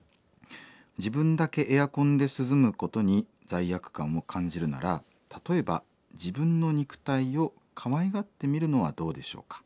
「自分だけエアコンで涼むことに罪悪感を感じるなら例えば自分の肉体をかわいがってみるのはどうでしょうか？